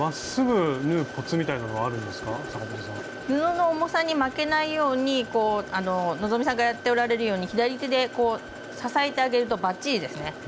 布の重さに負けないように希さんがやっておられるように左手で支えてあげるとバッチリですね。